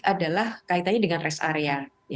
adalah kaitannya dengan rest area